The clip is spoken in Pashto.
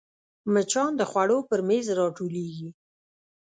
مچان د خوړو پر میز راټولېږي